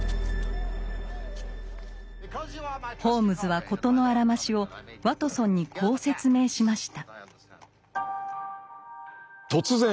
ホームズは事のあらましをワトソンにこう説明しました。